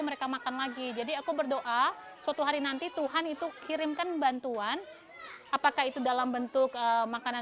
mereka makan lagi jadi aku berdoa suatu hari nanti tuhan itu kirimkan bantuan apakah itu dalam bentuk makanan